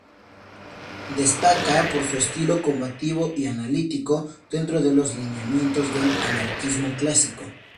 Destaca por su estilo combativo y analítico, dentro de los lineamientos del anarquismo clásico.